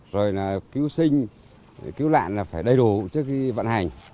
rồi là cứu sinh cứu nạn là phải đầy đủ trước khi vận hành